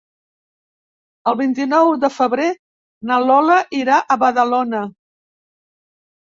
El vint-i-nou de febrer na Lola irà a Badalona.